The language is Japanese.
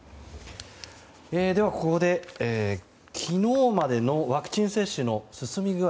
ここで昨日までのワクチン接種の進み具合